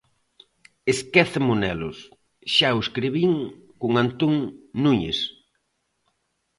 "Esquece Monelos" xa o escribín con Antón Núñez.